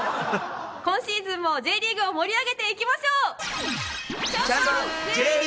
今シーズンもＪリーグを盛り上げていきましょう！